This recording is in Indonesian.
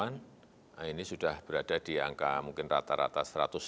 nah ini sudah berada di angka mungkin rata rata satu ratus lima puluh